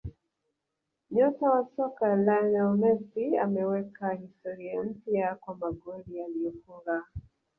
Nyota wa soka Lionel Messi ameweka historia mpya kwa magoli aliyofunga